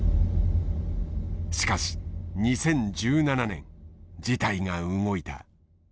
しかし２０１７年事態が動いた。